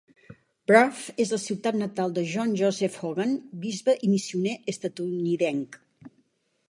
Bruff és la ciutat natal de John Joseph Hogan, bisbe i missioner estatunidenc.